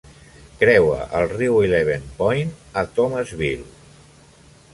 Creua el riu Eleven Point a Thomasville.